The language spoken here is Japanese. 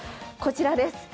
こちらです。